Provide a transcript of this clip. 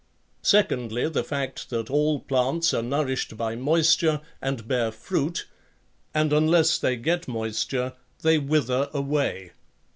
Secondly, the fact that all plants are nourished by moisture and bear fruit, and unless they get moisture they wither away.